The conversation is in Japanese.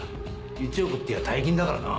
１億っていえば大金だからな。